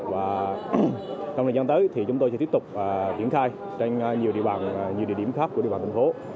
và trong thời gian tới thì chúng tôi sẽ tiếp tục triển khai trên nhiều địa điểm khác của địa bàn thành phố